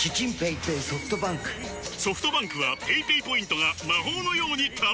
ソフトバンクはペイペイポイントが魔法のように貯まる！